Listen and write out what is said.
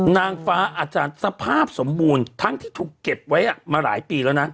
นางฟ้าอาจารย์สภาพสมบูรณ์ทั้งที่ถูกเก็บไว้มาหลายปีแล้วนะ